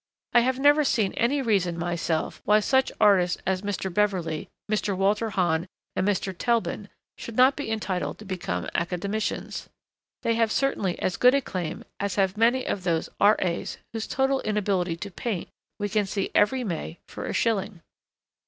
I have never seen any reason myself why such artists as Mr. Beverley, Mr. Walter Hann, and Mr. Telbin should not be entitled to become Academicians. They have certainly as good a claim as have many of those R.A.'s whose total inability to paint we can see every May for a shilling.